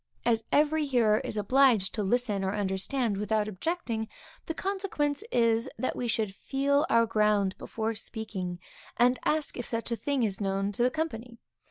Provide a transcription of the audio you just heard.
As every hearer is obliged to listen or understand without objecting, the consequence is, that we should feel our ground before speaking, and ask if such or such a thing is known to the company.